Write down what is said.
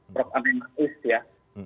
prof amin rais ya